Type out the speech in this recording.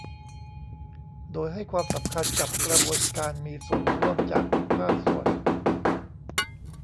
โดยให้ความสำคัญกับกระบวนการมีส่วนร่วมจากทุกภาคส่วน